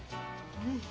うん。